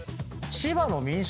千葉の民宿？